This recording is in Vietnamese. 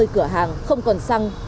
hai trăm năm mươi cửa hàng không còn xăng